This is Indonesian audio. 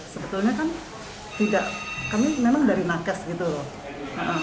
sebetulnya kami memang dari nakas